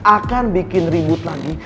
akan bikin ribut lagi